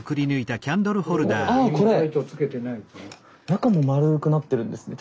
中も丸くなってるんですね